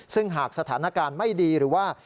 ซึ่งหากสถานการณ์ไม่ดีหรือว่า